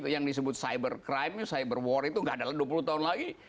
yang disebut cyber crime cyber war itu nggak adalah dua puluh tahun lagi